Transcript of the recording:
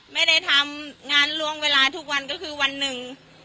ไม่ได้ทำงานล่วงเวลาทุกวันก็คือวันหนึ่ง